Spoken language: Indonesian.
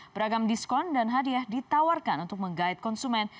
beragam diskon dan hadiah ditawarkan untuk menggait konsumen